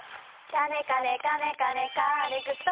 カネカネカネカネカーネクスト